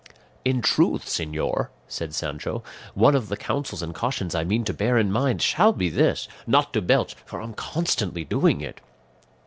"In truth, señor," said Sancho, "one of the counsels and cautions I mean to bear in mind shall be this, not to belch, for I'm constantly doing it."